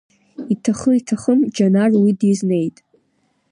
Иҭахы, иҭахым, Џьанар уи дизнеит.